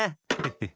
ヘッ！